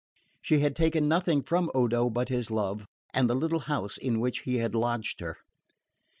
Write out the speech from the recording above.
She had taken nothing from Odo but his love, and the little house in which he had lodged her.